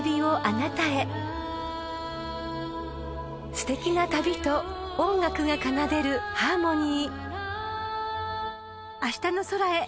［すてきな旅と音楽が奏でるハーモニー］